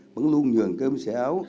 vẫn luôn nhường cơm xẻ áo